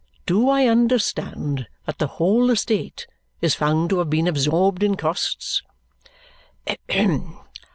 Do I understand that the whole estate is found to have been absorbed in costs?"